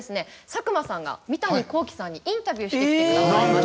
佐久間さんが三谷幸喜さんにインタビューしてきてくださいました。